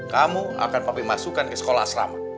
kamu akan papi masukkan ke sekolah asrama